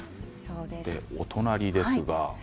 お隣です。